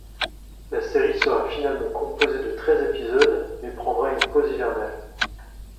La série sera finalement composée de treize épisodes mais prendra une pause hivernale.